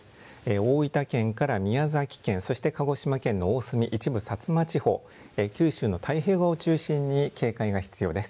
大分県から宮崎県そして鹿児島県の大隅、一部薩摩地方、九州の太平洋側を中心に警戒が必要です。